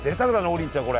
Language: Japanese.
王林ちゃんこれ！